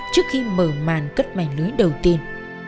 trước khi mở màn cất mảnh lưới đầu tiên